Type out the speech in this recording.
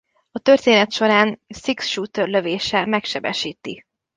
A történet során Six-Shooter lövése megsebesíti.